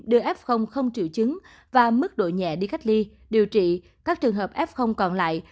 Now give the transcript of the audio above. đưa f không triệu chứng và mức độ nhẹ đi cách ly điều trị các trường hợp f còn lại